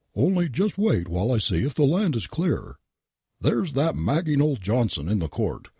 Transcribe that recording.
Only just wait while I see if the land is clear. There's that magging old Johnston in the Court.